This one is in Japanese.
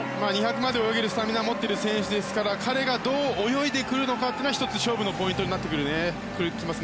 ２００まで泳げるスタミナを持っている選手ですから彼がどう泳いでくるのかが１つ、勝負のポイントになってきますね。